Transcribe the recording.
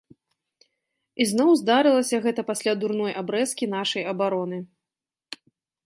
І зноў здарылася гэта пасля дурной абрэзкі нашай абароны.